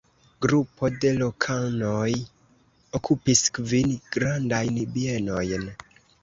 Grupo de lokanoj okupis kvin grandajn bienojn.